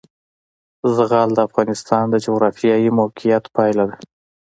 زغال د افغانستان د جغرافیایي موقیعت پایله ده.